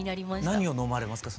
何を飲まれますか？